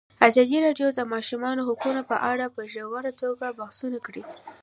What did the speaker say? ازادي راډیو د د ماشومانو حقونه په اړه په ژوره توګه بحثونه کړي.